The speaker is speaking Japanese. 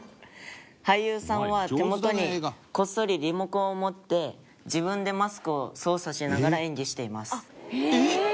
俳優さんは手元にこっそりリモコンを持って自分でマスクを操作しながら演技しています。